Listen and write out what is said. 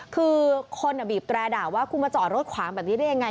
คือคนบีบแตรด่าว่าคุณมาจอดรถขวางแบบนี้ได้ยังไง